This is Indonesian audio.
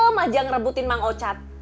berantem aja ngerebutin mang ocat